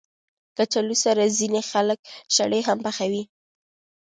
کچالو سره ځینې خلک شړې هم پخوي